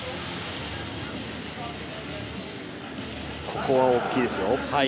ここは大きいですよ。